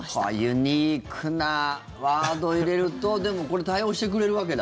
ユニークなワード入れるとでも、対応してくれるわけだ。